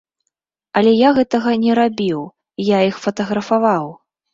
Але я гэтага не рабіў, я іх фатаграфаваў.